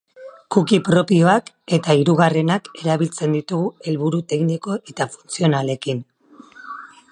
Cookie propioak eta hirugarrenenak erabiltzen ditugu helburu tekniko eta funtzionalekin.